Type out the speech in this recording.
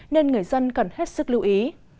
nên người dân cần hết sức lưu ý